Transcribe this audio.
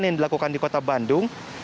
yang dilakukan di kota bandung